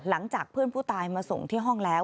หลังจากเพื่อนผู้ตายมาส่งที่ห้องแล้ว